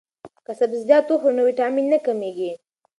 که سبزیجات وخورو نو ویټامین نه کمیږي.